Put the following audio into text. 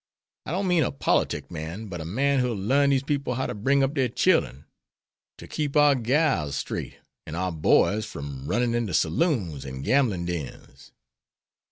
I don't mean a politic man, but a man who'll larn dese people how to bring up dere chillen, to keep our gals straight, an' our boys from runnin' in de saloons an' gamblin' dens."